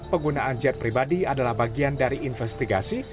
penggunaan jet pribadi adalah bagian dari investigasi